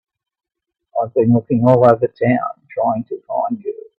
I've been looking all over town trying to find you.